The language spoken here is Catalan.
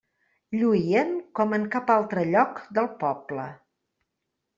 Lluïen com en cap altre lloc del poble.